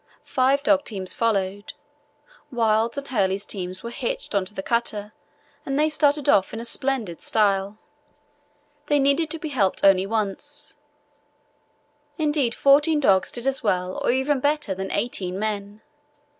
Five dog teams followed. Wild's and Hurley's teams were hitched on to the cutter and they started off in splendid style. They needed to be helped only once; indeed fourteen dogs did as well or even better than eighteen men.